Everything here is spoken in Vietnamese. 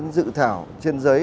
dự thảo trên giấy